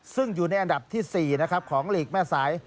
ซึ่งอยู่ในอันดับที่๔นะครับของหลีกแม่สาย